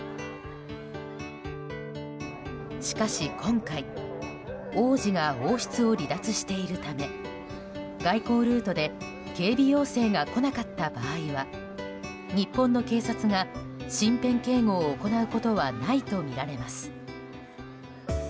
しかし今回王子が王室を離脱しているため外交ルートで警備要請が来なかった場合は日本の警察が身辺警護を行うことはないとみられます。